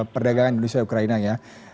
perdagangan indonesia ukraina ya